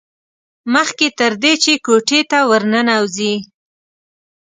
مخکې تر دې چې کوټې ته ور ننوځي.